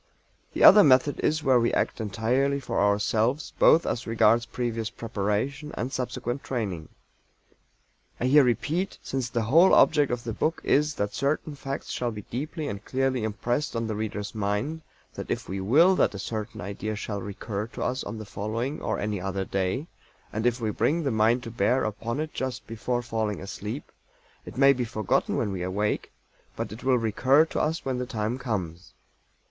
The other method is where we act entirely for ourselves both as regards previous preparation and subsequent training. I here repeat, since the whole object of the book is that certain facts shall be deeply and clearly impressed on the reader's mind, that if we will that a certain idea shall recur to us on the following, or any other day, and if we bring the mind to bear upon it just before falling asleep, it may be forgotten when we awake, but it will recur to us when the time comes.